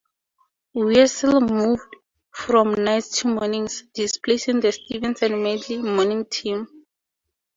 Weasel moved from nights to mornings, displacing the Stevens and Medley morning team.